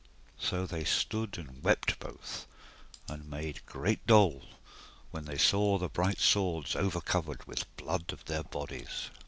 So they stood and wept both, and made great dole when they saw the bright swords over covered with blood of their bodies.